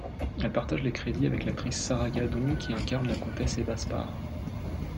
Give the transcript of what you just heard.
Elle partage les crédits avec l'actrice Sarah Gadon qui incarne la comtesse Ebba Sparre.